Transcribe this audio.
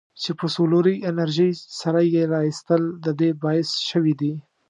چې په سولري انرژۍ سره یې رایستل د دې باعث شویدي.